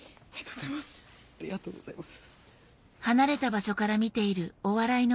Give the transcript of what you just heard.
ありがとうございます。